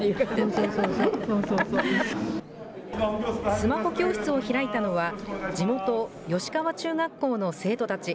スマホ教室を開いたのは、地元、吉川中学校の生徒たち。